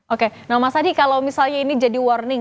oke nah mas adi kalau misalnya ini jadi warning